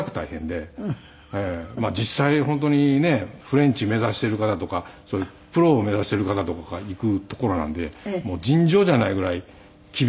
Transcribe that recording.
まあ実際本当にねフレンチ目指している方とかそういうプロを目指している方とかが行く所なんでもう尋常じゃないぐらい厳しいというか。